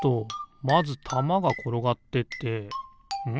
まずたまがころがってってん？